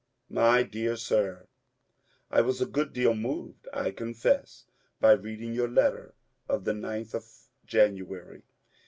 My D£ab Sib, — I was a good deal moved, I confess, by reading your letter of the 9th of January.